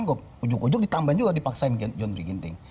ujung ujung ditambah juga dipaksain john rukinting